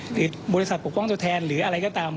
หรือบริษัทปกป้องตัวแทนหรืออะไรก็ตาม